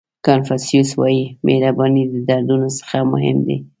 کانفیوسیس وایي مهرباني د دردونو څخه مهم دی.